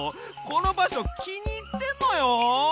このばしょきにいってんのよ！